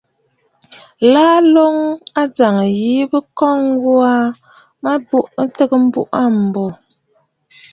Lâ, ǹloŋ ajàŋ yìi mə mə̀ kɔ̀ŋə gho aa, mə bàŋnə̀ m̀buꞌu aa m̀bô.